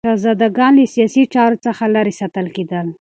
شهزادګان له سیاسي چارو څخه لیرې ساتل کېدل.